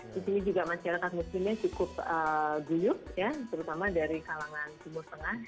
di sini juga masyarakat muslimnya cukup guyup ya terutama dari kalangan timur tengah